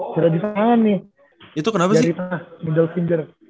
cerah di tangan nih